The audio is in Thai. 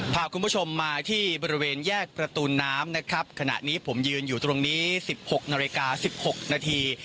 พาคุณผู้ชมมาที่บริเวณแยกประตูน้ำนะครับขณะนี้ผมยืนอยู่ตรงนี้๑๖นาฬิกา๑๖นาที